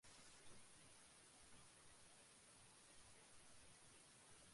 সাত শত বর্ষ পূর্বে যেরূপ জাতিবিভাগ ছিল, এখন আর সেরূপ নাই।